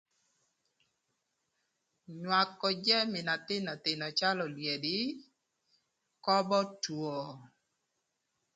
Nywakö jami na thïnöthïnö calö olyedi köbö two.